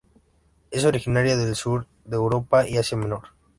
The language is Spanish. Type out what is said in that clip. Es originaria del sur de Europa y Asia Menor.